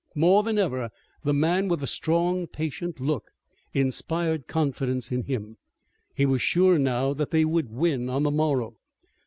More than ever the man with the strong, patient look inspired confidence in him. He was sure now that they would win on the morrow.